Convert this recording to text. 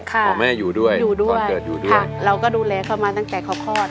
ของแม่อยู่ด้วยอยู่ด้วยค่ะเราก็ดูแลเขามาตั้งแต่เขาคลอด